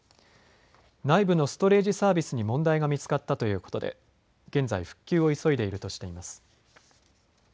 内部のストレージサービスに問題が見つかったということで現在、復旧を急いでいるとしています。